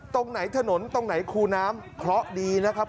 ตรงไหนถนนตรงไหนคูน้ำเคราะห์ดีนะครับ